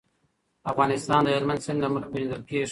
افغانستان د هلمند سیند له مخې پېژندل کېږي.